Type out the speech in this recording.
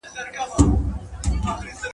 د خدای ساتنه !.